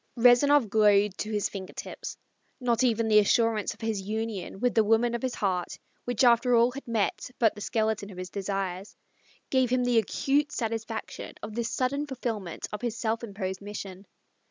Rezanov glowed to his finger tips. Not even the assurance of his union with the woman of his heart, which after all had met but the skeleton of his desires, gave him the acute satisfaction of this sudden fulfilment of his self imposed mission.